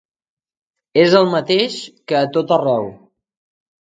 És el mateix que a tot arreu.